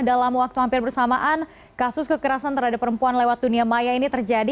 dalam waktu hampir bersamaan kasus kekerasan terhadap perempuan lewat dunia maya ini terjadi